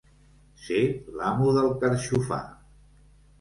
Ser l'amo del carxofar.